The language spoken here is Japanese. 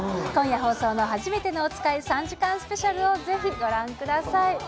今夜放送のはじめてのおつかい３時間スペシャルをぜひご覧ください。